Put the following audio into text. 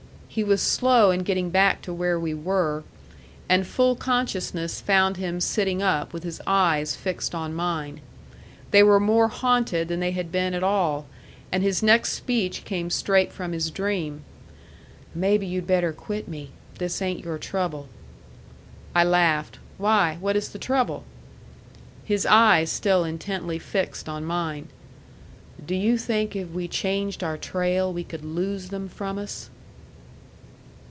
He was slow in getting back to where we were; and full consciousness found him sitting up with his eyes fixed on mine. They were more haunted than they had been at all, and his next speech came straight from his dream. "Maybe you'd better quit me. This ain't your trouble." I laughed. "Why, what is the trouble?" His eyes still intently fixed on mine. "Do you think if we changed our trail we could lose them from us?"